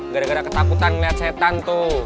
gara gara ketakutan melihat setan tuh